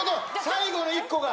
最後の１個が。